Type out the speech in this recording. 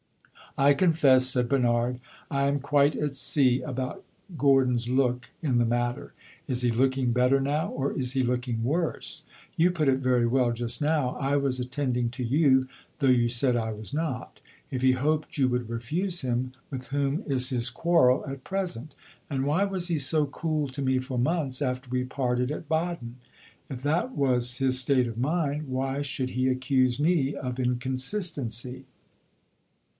"I confess," said Bernard, "I am quite at sea about Gordon's look in the matter. Is he looking better now or is he looking worse? You put it very well just now; I was attending to you, though you said I was not. If he hoped you would refuse him, with whom is his quarrel at present? And why was he so cool to me for months after we parted at Baden? If that was his state of mind, why should he accuse me of inconsistency?"